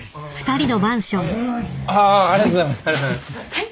はい。